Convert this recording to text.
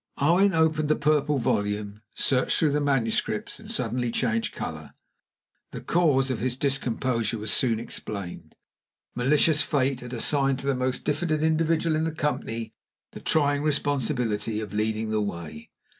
Owen opened the Purple Volume, searched through the manuscripts, and suddenly changed color. The cause of his discomposure was soon explained. Malicious fate had assigned to the most diffident individual in the company the trying responsibility of leading the way.